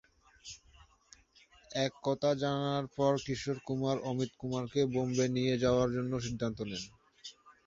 এ কথা জানার পর কিশোর কুমার অমিত কুমারকে বোম্বে নিয়ে যাওয়ার জন্য সিদ্ধান্ত নেন।